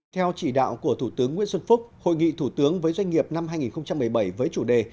theo chỉ đạo của thủ tướng nguyễn xuân phúc hội nghị thủ tướng với doanh nghiệp năm hai nghìn một mươi bảy với chủ đề